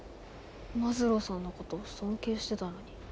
マズローさんのこと尊敬してたのに。